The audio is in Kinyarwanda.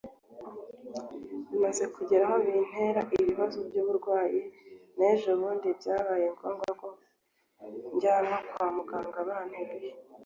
bimaze kugera aho bintera ibibazo by’uburwayi n’ejobundi byabaye ngombwa ko njyanwa kwa muganga banteruye